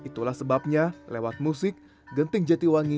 tanah yang mengandungkan minyak